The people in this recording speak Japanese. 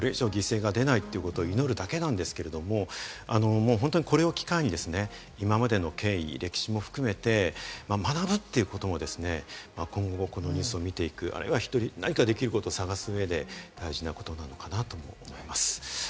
私達に本当にできることはこれ以上犠牲が出ないことを祈るだけなんですけれども、これを機会に今までの経緯、歴史も含めて学ぶということも今後、このニュースを見ていく、何かできることを探す上で大事なことなのかなと思います。